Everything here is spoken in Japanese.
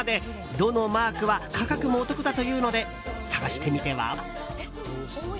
「ド」のマークは価格もお得だというので探してみては？